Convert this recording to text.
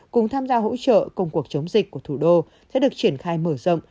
cùng tham gia hỗ trợ công cuộc chống dịch của thủ đô sẽ được triển khai mở rộng